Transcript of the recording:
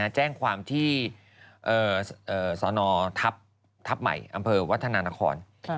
แจ้งความที่สนทัพใหม่อำเภอวัฒนานคร